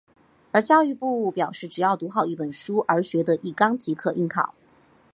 而教育部表示只要读好一本而学得一纲即可应考。